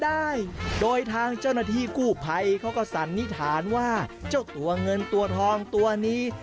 ไม่ออกมาได้นะคะโดยทางเจ้าหน้าที่กู้ไพก็จะสันนิทานว่าเจ้าตัวเงินตัวทองตัวนี้